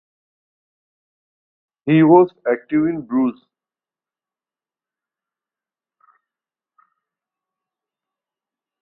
He was active in Bruges.